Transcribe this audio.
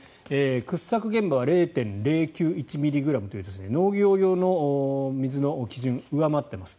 掘削現場は０．０９１ｍｇという農業用の水の基準を上回っています。